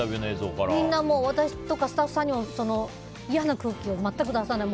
みんな、私とかスタッフさんにも嫌な空気を全く出さない。